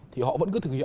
thì họ vẫn cứ thực hiện